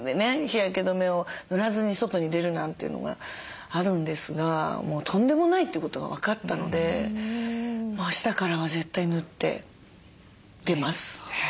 日焼け止めを塗らずに外に出るなんていうのがあるんですがもうとんでもないってことが分かったのであしたからは絶対塗って出ます。